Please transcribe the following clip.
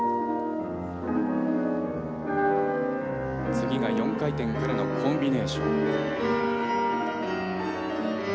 次が４回転からのコンビネーション。